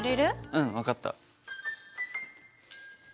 うん分かった。